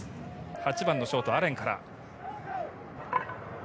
８番のショート、アレンから。